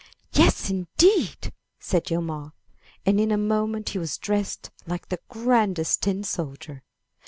"Yes, indeed !" said Hjalmar, and in a moment he was dressed like the grandest tin soldier.